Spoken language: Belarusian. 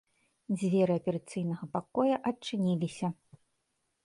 Дзверы аперацыйнага пакоя адчыніліся.